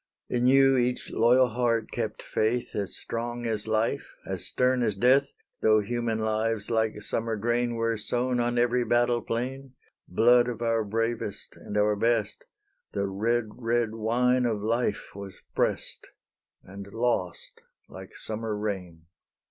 In you each loyal heart kept faith As strong as life, as stern as death; Though human lives like summer grain Were sown on every battle plain; Blood of our bravest and our best, The red, red wine of life was pressed, And lost like summer rain.